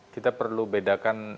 kita perlu bedakan